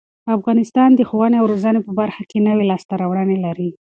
افغانستان د ښوونې او روزنې په برخه کې نوې لاسته راوړنې لري.